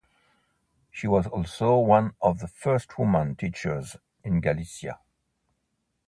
She was also one of the first women teachers in Galicia.